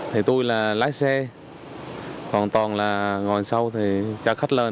thì tôi là lái xe hoàn toàn là ngồi sau thì cho khách lên